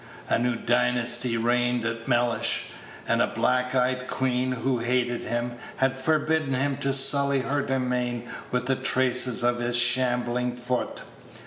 A new dynasty reigned at Mellish, and a black eyed queen, who hated him, had forbidden him to sully her domain with the traces Page 111 of his shambling foot.